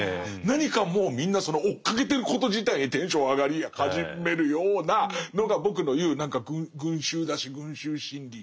何かもうみんなその追っかけてること自体にテンション上がり始めるようなのが僕の言う何か群衆だし群衆心理。